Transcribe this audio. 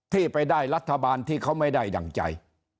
ที่ไปได้รัฐบาลที่เขาไม่ได้ดั่งใจ